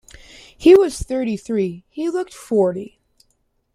He was thirty three; he looked forty.